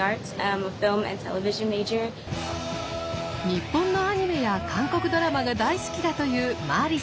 日本のアニメや韓国ドラマが大好きだというマーリさん。